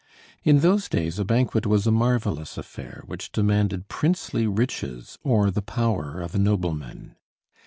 In those days a banquet was a marvelous affair, which demanded princely riches or the power of a nobleman.